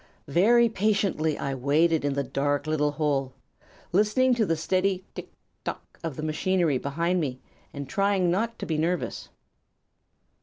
"Very patiently I waited in the dark little hole, listening to the steady 'tick tock!' of the machinery behind me and trying not to be nervous.